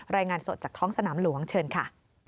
รายงานสดจากท้องสนามหลวงเชิญค่ะ